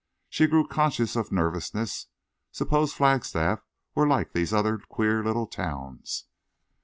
She grew conscious of nervousness. Suppose Flagstaff were like these other queer little towns!